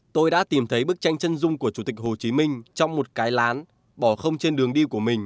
tôi đã tìm thấy bức tranh chân dung của chủ tịch hồ chí minh trong một cái lán bỏ không trên đường đi của mình